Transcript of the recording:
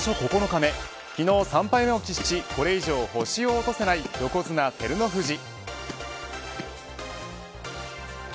９日目昨日３敗目を喫し、これ以上星を落とせない横綱、照ノ富士。